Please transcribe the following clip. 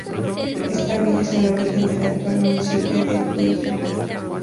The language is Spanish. Esta villa es el origen del actual municipio de El Puig.